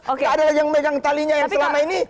gak ada lagi yang megang talinya yang selama ini